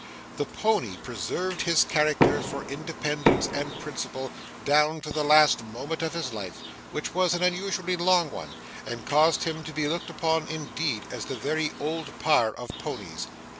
The pony preserved his character for independence and principle down to the last moment of his life; which was an unusually long one, and caused him to be looked upon, indeed, as the very Old Parr of ponies.